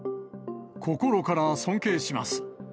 心から尊敬します。